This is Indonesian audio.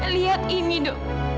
lihat ini do